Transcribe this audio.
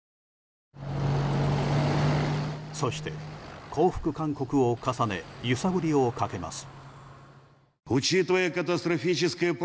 そして、降伏勧告を重ね揺さぶりをかけます。